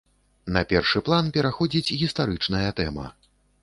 На першы план пераходзіць гістарычная тэма.